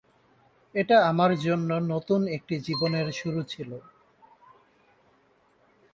এটা আমার জন্য একটি নতুন জীবনের শুরু ছিল।